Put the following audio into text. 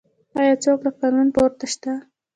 آیا څوک له قانون پورته شته؟